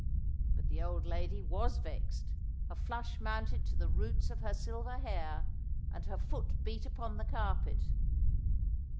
But the old lady was vexed; a flush mounted to the roots of her silver hair, and her foot beat upon the carpet.